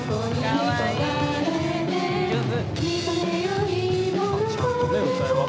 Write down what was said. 上手。